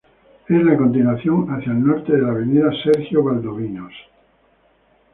Es la continuación hacia el norte de la avenida Sergio Valdovinos.